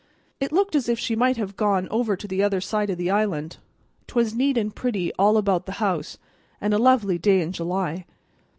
It looked as if she might have gone over to the other side of the island. 'Twas neat and pretty all about the house, and a lovely day in July.